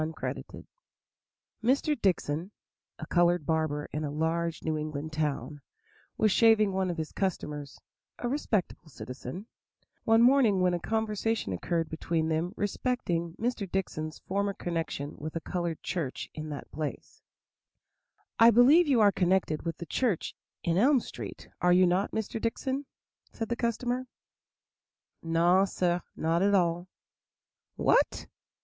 WHY HE LEFT Mr. Dickson, a colored barber in a large New England town, was shaving one of his customers, a respectable citizen, one morning, when a conversation occurred between them respecting Mr. Dickson's former connection with a colored church in that place: "I believe you are connected with the church in Elm Street, are you not, Mr. Dickson?" said the customer. "No, sah, not at all." "What!